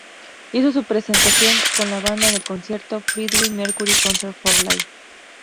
Hizo su presentación con la banda en el concierto "Freddie Mercury Concert for Life".